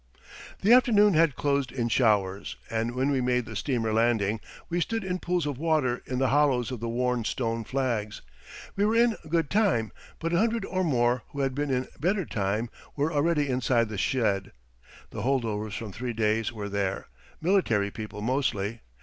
The afternoon had closed in showers, and when we made the steamer landing we stood in pools of water in the hollows of the worn stone flags. We were in good time, but a hundred or more who had been in better time were already inside the shed. The hold overs from three days were there, military people mostly.